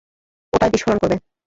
ওটায় বিস্ফোরণ করবে?